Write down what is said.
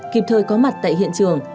kịp thời có mặt tại hiện trường